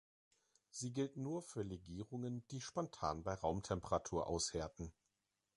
Sie gilt nur für Legierungen, die spontan bei Raumtemperatur aushärten.